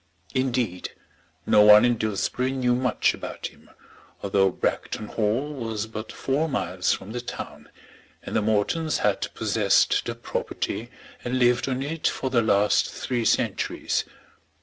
Indeed, no one in Dillsborough knew much about him, although Bragton Hall was but four miles from the town, and the Mortons had possessed the property and lived on it for the last three centuries.